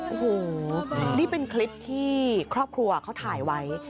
โอ้โหนี่เป็นคลิปที่ครอบครัวเขาถ่ายไว้